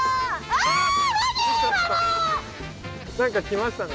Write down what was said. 何か来ましたね。